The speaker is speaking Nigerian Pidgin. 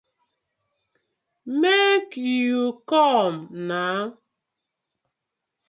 Mak yu com naw naw.